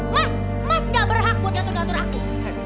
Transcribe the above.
mas mas ga berhak buat ngatur ngatur aku